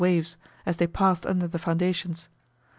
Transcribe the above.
waves, as they passed under the foundations.